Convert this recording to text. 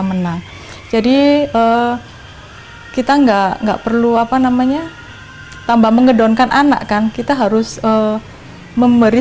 menang jadi kita enggak enggak perlu apa namanya tambah mengedonkan anak kan kita harus memberi